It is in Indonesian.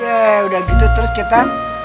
udah gitu terus kita